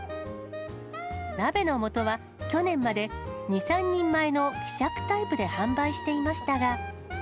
鍋の素は、去年まで２、３人前の希釈タイプで販売していましたが。